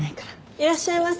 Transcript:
いらっしゃいませ。